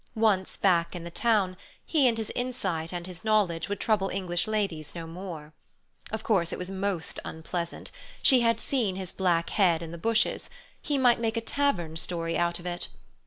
Once back in the town, he and his insight and his knowledge would trouble English ladies no more. Of course, it was most unpleasant; she had seen his black head in the bushes; he might make a tavern story out of it.